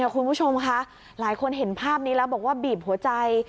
คุณผู้ชมคะหลายคนเห็นภาพนี้แล้วบอกว่าบีบหัวใจ